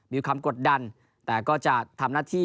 มีความกดดันแต่ก็จะทำหน้าที่